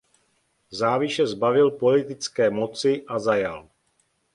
Záviše zbavil politické moci a zajal.